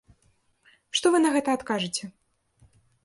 Што вы на гэта адкажыце?